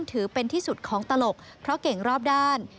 ถือเป็นที่สุดของตลกเพราะเก่งรอบด้าน